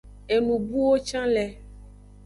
Enubuwo can le.